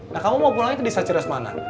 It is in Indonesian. nah kamu mau pulangnya ke desa ciras mana